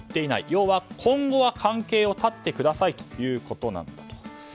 要は、今後は関係を断ってくださいということなんだと。